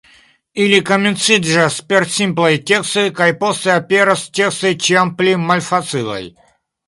Ili komenciĝas per simplaj tekstoj kaj poste aperas tekstoj ĉiam pli malfacilaj.